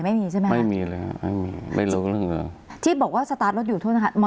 ไม่มีใช่ไหมคะไม่มีเลยฮะไม่มีไม่รู้เรื่องเลยที่บอกว่าสตาร์ทรถอยู่โทษนะคะ